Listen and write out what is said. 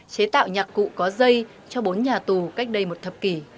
chế tạo nhạc cụ có dây cho bốn nhà tù cách đây một thập kỷ